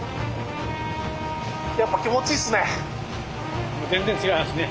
やっぱ気持ちいいっすね。